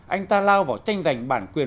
anh ta lao vào tranh giành bản quyền